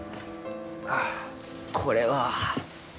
あこれは。